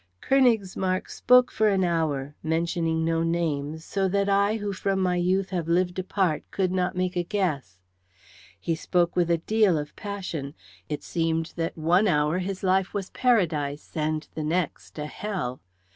"Königsmarck spoke for an hour, mentioning no names, so that I who from my youth have lived apart could not make a guess. He spoke with a deal of passion; it seemed that one hour his life was paradise and the next a hell.